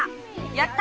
やった！